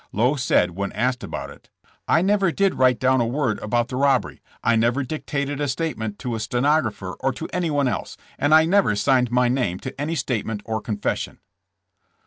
Lowe said when asked about it: "I never did write down a word about the rob bery; I never dictated a statement to a stenographer or to anyone else, and I never signed my name to any statement or confession."